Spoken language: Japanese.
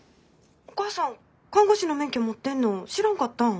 お母さん看護師の免許持ってるの知らんかったん？